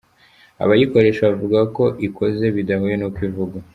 Abayikoresha bavuga ko uko ikoze bidahuye n’uko ivugwa.